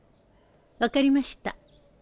分かりました。